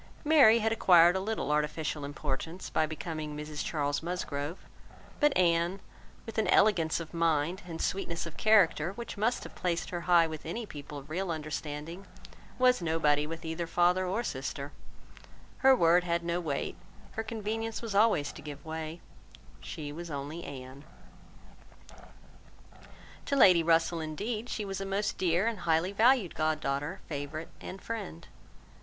Mary had acquired a little artificial importance, by becoming Mrs Charles Musgrove; but Anne, with an elegance of mind and sweetness of character, which must have placed her high with any people of real understanding, was nobody with either father or sister; her word had no weight, her convenience was always to give way—she was only Anne. To Lady Russell, indeed, she was a most dear and highly valued god daughter, favourite, and friend.